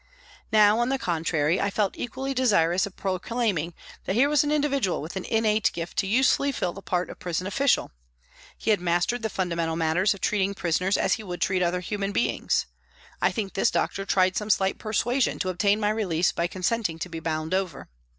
Now, on the contrary, I felt equally desirous of proclaiming that here was an individual with an innate gift to usefully fill the part of prison official ; he had mastered the fundamental matter of treating prisoners as he would treat other human beings. I think this doctor tried some slight persuasion to obtain my release by con senting to be bound over.